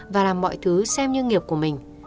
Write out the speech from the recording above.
và làm mọi thứ xem như nghiệp của mình